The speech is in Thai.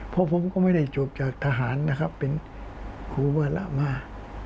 เพราะผมก็ไม่ได้จบจากทหารนะครับเป็นครูเมื่อละมา